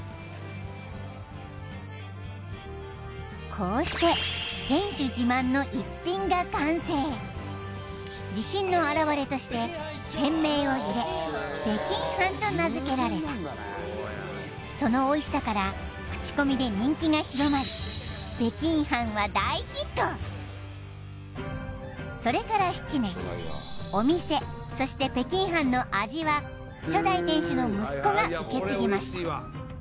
こうして店主自慢の逸品が完成自信の表れとして店名を入れ北京飯と名付けられたそのおいしさから口コミで人気が広まり北京飯はそれから７年お店そして北京飯の味は初代店主の息子が受け継ぎました